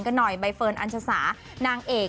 ก็มีดูบ้าง